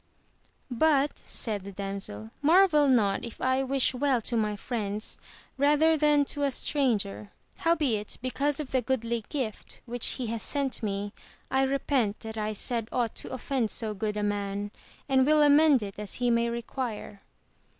But, said the damsel, marvel not if I wish well to my friends rather than to a stranger ; howbeit, because of the goodly gift which he has sent me, I repent that I said ought to offend so good a man, and will amend it as he may require.